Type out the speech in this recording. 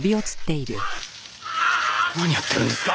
何やってるんですか！